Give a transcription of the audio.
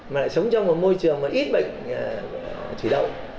mà lại sống trong một môi trường ít bệnh thủy đậu